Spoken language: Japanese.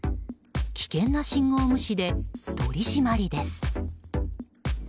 危険な信号無視で取り締まりです。